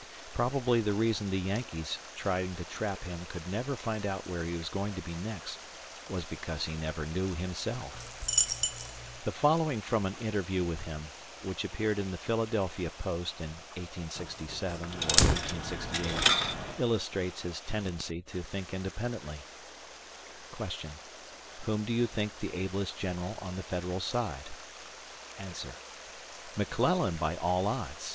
Probably the reason the "Yankees" trying to trap him could never find out where he was going to be next was because he never knew himself. The following from an interview with him, which appeared in the Philadelphia Post in 1867 or 1868, illustrates his tendency to think independently: "Whom do you consider the ablest General on the Federal side?" "McClellan, by all odds.